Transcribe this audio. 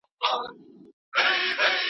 خپل ارزښت وپیژنئ.